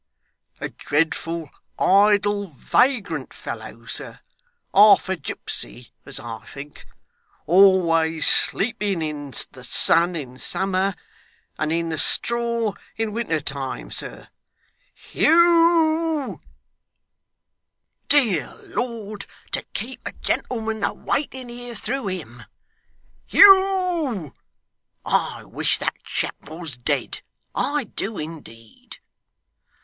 a dreadful idle vagrant fellow, sir, half a gipsy, as I think always sleeping in the sun in summer, and in the straw in winter time, sir Hugh! Dear Lord, to keep a gentleman a waiting here through him! Hugh! I wish that chap was dead, I do indeed.